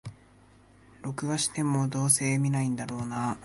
録画しても、どうせ観ないんだろうなあ